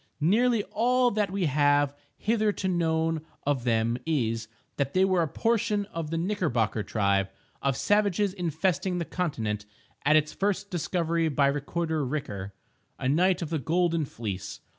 Nearly all that we have hitherto known of them is, that they were a portion of the Knickerbocker tribe of savages infesting the continent at its first discovery by Recorder Riker, a knight of the Golden Fleece.